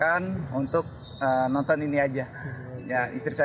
menurut penumpang yang beruntung dirinya mendapat tiket gratis menonton guns n' roses